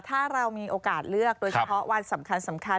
ถ้าเรามีโอกาสเลือกโดยเฉพาะวันสำคัญ